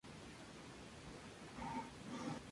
Viajó a Brasil, para colaborar con Antônio Carlos Jobim.